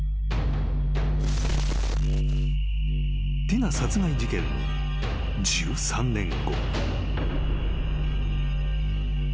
［ティナ殺害事件の１３年後］